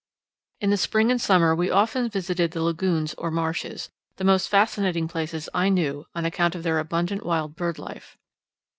In the spring and summer we often visited the lagoons or marshes, the most fascinating places I knew on account of their abundant wild bird life.